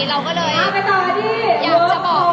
เราก็เลยอยากจะบอก